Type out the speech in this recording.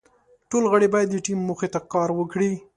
ټول غړي باید د ټیم موخې ته کار وکړي.